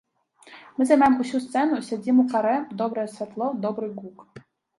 Мы займаем усю сцэну, сядзім у карэ, добрае святло, добры гук.